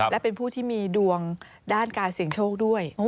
และเป็นผู้ที่มีดวงด้านการเสี่ยงโชคด้วย